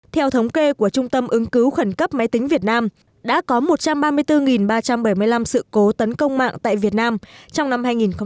theo thống kê của trung tâm ứng cứu khẩn cấp máy tính việt nam đã có một trăm ba mươi bốn ba trăm bảy mươi năm sự cố tấn công mạng tại việt nam trong năm hai nghìn một mươi tám